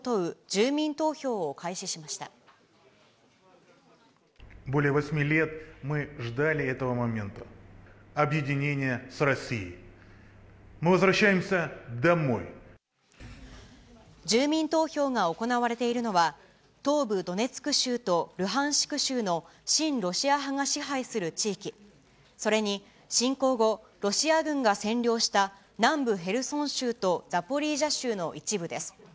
住民投票が行われているのは、東部ドネツク州とルハンシク州の親ロシア派が支配する地域、それに侵攻後、ロシア軍が占領した南部ヘルソン州とザポリージャ州の一部です。